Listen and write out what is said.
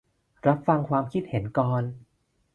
รับฟังความคิดเห็นก่อน